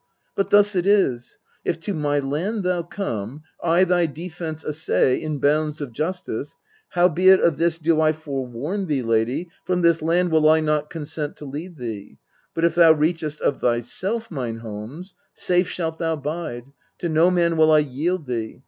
But thus it is if to my land thou come, I thy defence essay, in bounds of justice. IIo\vbeit of this do I forewarn thee, lady, From this land will I not consent to lead thee. But if thou readiest of thyself mine homes, Safe shalt thou bide : to no man will I yield thee.